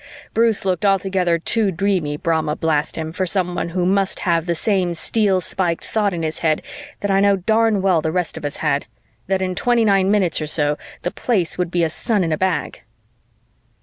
Bruce looked altogether too dreamy, Brahma blast him, for someone who must have the same steel spiked thought in his head that I know darn well the rest of us had: that in twenty nine minutes or so, the Place would be a sun in a bag.